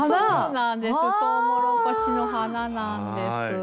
「トウモロコシの花」なんです。